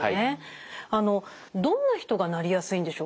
あのどんな人がなりやすいんでしょうか？